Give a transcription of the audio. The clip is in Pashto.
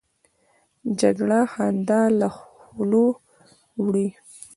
جګړه خندا له خولو وړي